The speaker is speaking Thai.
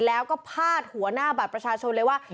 แล้วก็พาดหัวหน้าบัตรประชาชนเลยว่า